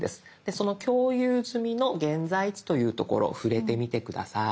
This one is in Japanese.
その「共有済みの現在地」という所触れてみて下さい。